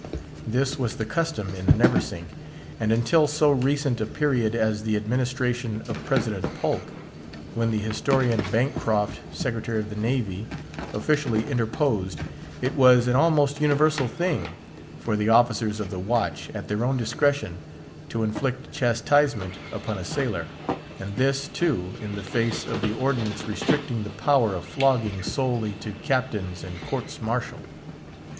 This was the custom in the Neversink. And until so recent a period as the administration of President Polk, when the historian Bancroft, Secretary of the Navy, officially interposed, it was an almost universal thing for the officers of the watch, at their own discretion, to inflict chastisement upon a sailor, and this, too, in the face of the ordinance restricting the power of flogging solely to Captains and Courts Martial.